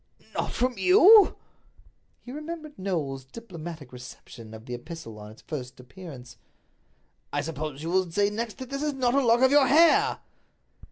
"Not from you?" He remembered Knowles's diplomatic reception of the epistle on its first appearance. "I suppose that you will say next that this is not a lock of your hair?"